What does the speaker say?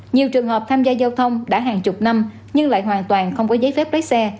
nhiều trường hợp tham gia giao thông đã hàng chục năm nhưng lại hoàn toàn không có giấy phép lái xe